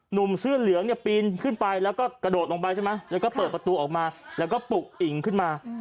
หนุ่มเสื้อเหลืองเนี่ยปีนขึ้นไปแล้วก็กระโดดลงไปใช่ไหมแล้วก็เปิดประตูออกมาแล้วก็ปลุกอิ่งขึ้นมา